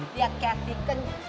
lihat ketty kenceng